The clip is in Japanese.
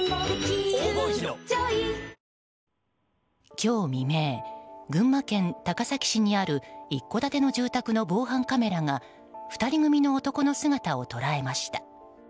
今日未明、群馬県高崎市にある一戸建ての住宅の防犯カメラが２人組の男の姿を捉えました。